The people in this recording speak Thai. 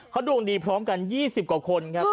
เขาดวงดีพร้อมกัน๒๐กว่าคนครับ